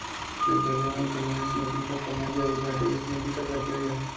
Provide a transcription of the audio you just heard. En italiano, "Commedia" significa "comedia" y "Tragedia" significa "tragedia".